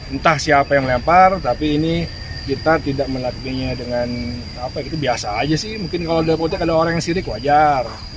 entah siapa yang lempar tapi ini kita tidak melakukannya dengan apa itu biasa aja sih mungkin kalau di apotek ada orang yang sirik wajar